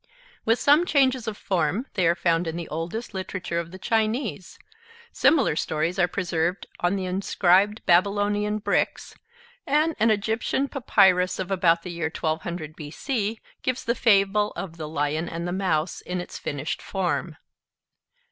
With some changes of form they are found in the oldest literature of the Chinese; similar stories are preserved on the inscribed Babylonian bricks; and an Egyptian papyrus of about the year 1200 B.C. gives the fable of 'The Lion and the Mouse' in its finished form.